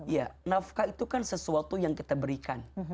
ya nafkah itu kan sesuatu yang kita berikan